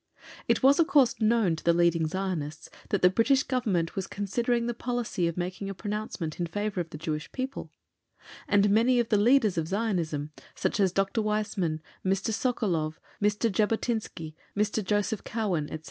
It was of course known to the leading Zionists that the British Government was considering the policy of making a pronouncement in favour of the Jewish people, and many of the leaders of Zionism, such as Dr. Weizmann, Mr. Sokolow, Mr. Jabotinsky, Mr. Joseph Cowen, etc.